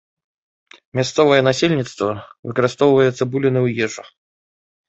Мясцовае насельніцтва выкарыстоўвае цыбуліны ў ежу.